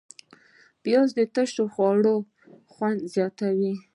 پیاز د تشو خوړو خوند زیاتوي